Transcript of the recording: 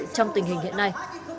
trong tình hình hiện nay